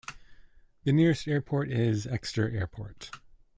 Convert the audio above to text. The nearest airport is Exeter Airport.